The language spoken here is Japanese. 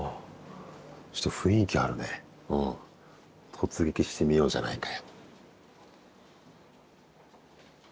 突撃してみようじゃないか。